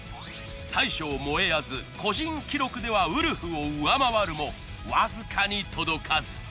大将もえあず個人記録ではウルフを上回るもわずかに届かず。